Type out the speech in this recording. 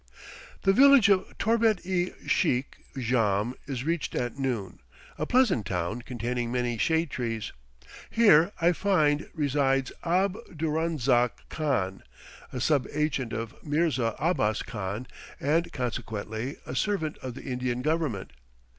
The village of Torbet i Sheikh Jahm is reached at noon, a pleasant town containing many shade trees. Here, I find, resides Ab durrahzaak Khan, a sub agent of Mirza Abbas Khan, and consequently a servant of the Indian Government.